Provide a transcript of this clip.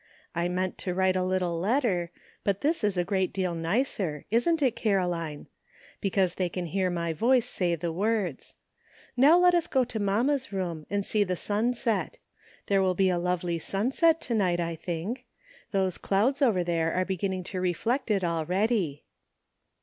I meant to write a little letter, but this is a great deal nicer, isn't it, Caroline ? be cause they can hear my voice say the words. Now let us go to mamma's room and see the sun set. There will be a lovely sunset to night, I think ; those clouds over there are beginning to reflect it already."